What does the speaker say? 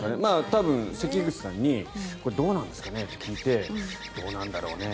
多分、関口さんにこれどうなんですかねって聞いてどうなんだろうね。